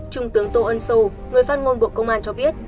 trung tướng tô ân sô người phát ngôn bộ công an cho biết